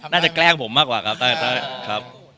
น่าจะแกล้งผมมากกว่าครับ